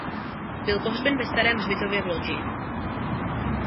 Byl pohřben na Starém hřbitově v Lodži.